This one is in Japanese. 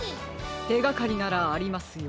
てがかりならありますよ。